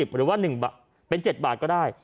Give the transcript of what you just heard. หรือว่าเป็น๗บาทก็ได้